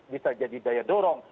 bisa jadi daya dorong